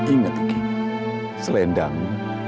ingat niki selendang